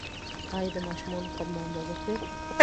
ایا د ماشومانو قد مو اندازه کړی؟